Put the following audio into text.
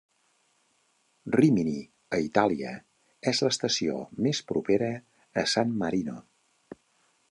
Rímini, a Itàlia, és l'estació més propera a San Marino.